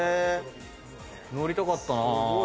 乗りたかったなぁ。